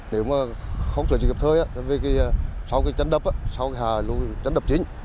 nếu mà không sử dụng kịp thời sau cái trấn đập sau cái trấn đập chính